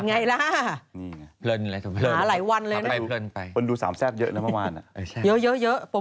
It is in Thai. อะรึงน่ารักอ่อ